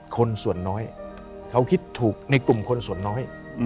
คนส่วนน้อยเขาคิดถูกในกลุ่มคนส่วนน้อย